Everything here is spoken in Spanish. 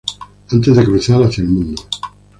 Antes de cruzar hacia el mundo.